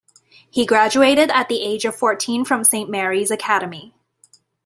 He graduated at the age of fourteen from Saint Mary's Academy.